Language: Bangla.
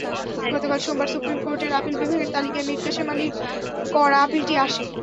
গতকাল সোমবার সুপ্রিম কোর্টের আপিল বিভাগের তালিকায় মীর কাসেম আলীর করা আপিলটি আসে।